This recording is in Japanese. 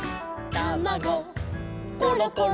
「たまごころころ」